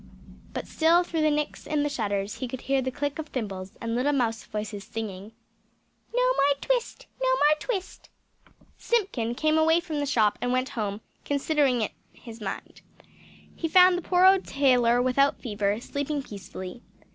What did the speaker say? But still through the nicks in the shutters he could hear the click of thimbles, and little mouse voices singing "No more twist! No more twist!" Simpkin came away from the shop and went home, considering in his mind. He found the poor old tailor without fever, sleeping peacefully.